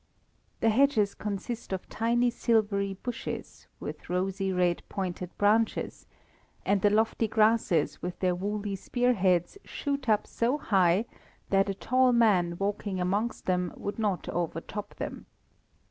The hedges consist of tiny silvery bushes, with rosy red pointed branches, and the lofty grasses with their woolly spear heads shoot up so high, that a tall man walking amongst them would not overtop them.